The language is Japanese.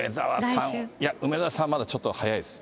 いや、梅沢さんはまだちょっと早いです。